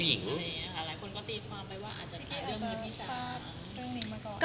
หลายคนก็ตีวความไปว่าอาจจะเปลี่ยนเรื่องมีทศาลค่ะตั้งแต่เรื่องหนึ่งมาก่อน